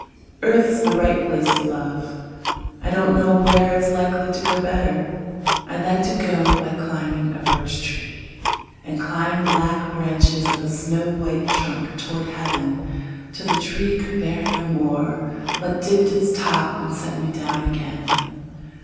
Earth's the right place for love: I don't know where it's likely to go better. I'd like to go by climbing a birch tree, And climb black branches up a snow white trunk Toward heaven, till the tree could bear no more, But dipped its top and set me down again.